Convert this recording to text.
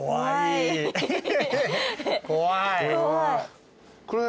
怖い。